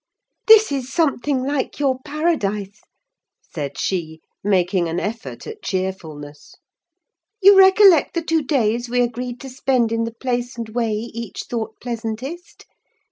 "This is something like your paradise," said she, making an effort at cheerfulness. "You recollect the two days we agreed to spend in the place and way each thought pleasantest?